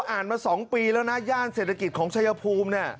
อ่านมา๒ปีแล้วนะย่านเศรษฐกิจของชายภูมิเนี่ย